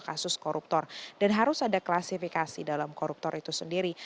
kasus koruptor dan harus ada klasifikasi dalam koruptor itu sendiri